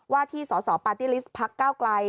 ว่าที่สสปาร์ตี้ลิสต์พักเก้าไกล